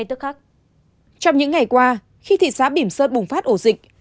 trong những ngày qua khi thị xã bìm sơn bùng phát ổ dịch